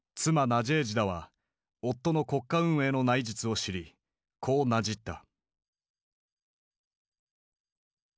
ナジェージダは夫の国家運営の内実を知りこうなじった。